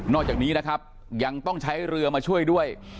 อกจากนี้นะครับยังต้องใช้เรือมาช่วยด้วย